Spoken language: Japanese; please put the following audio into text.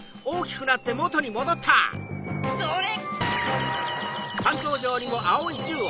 それ！